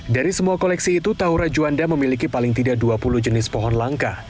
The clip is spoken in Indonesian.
dari semua koleksi itu tahura juanda memiliki paling tidak dua puluh jenis pohon langka